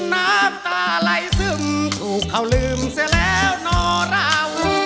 น้ำตาไหลซึมถูกเขาลืมเสร็จแล้วนอเรา